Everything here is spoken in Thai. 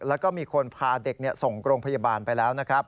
แล้วก็มีคนพาเด็กส่งโรงพยาบาลไปแล้วนะครับ